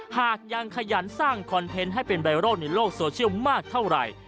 หากยังขยันสร้างคอนเทนต์ให้เป็นไวรัลในโลกโซเชียลมากเท่าไหร่